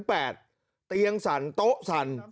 เตียงสั่นโต๊ะสั่น